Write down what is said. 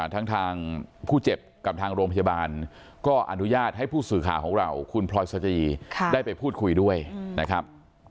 ทางผู้เจ็บกับทางโรงพยาบาลก็อนุญาตให้ผู้สื่อข่าวของเราคุณพลอยสจีได้ไปพูดคุยด้วยนะครับ